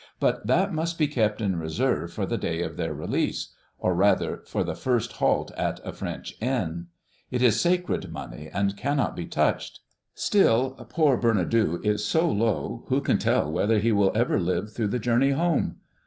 But that must be kept in reserve for the day of their release, or rather for the first halt at a French inn. It is sacred money, and cannot be touched. Still, poor Bernadou is so low, who can tell whether he will ever live through the journey home?